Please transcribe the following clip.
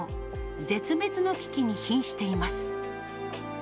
絶滅の危機にひんしています。